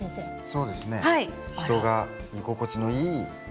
そうですね。